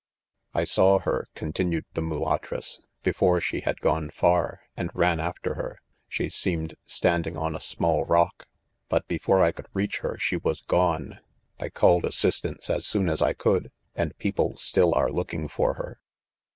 " 1 saw her," continued the mulatress, " before she had gone far, and ran after her ; she seemed standing on a small rock ; but be fore I could' reach her she was gone. I call ed assistance as soon as I could, and people still are looking for her.